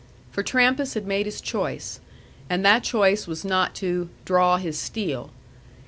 For Trampas had made his choice. And that choice was not to "draw his steel."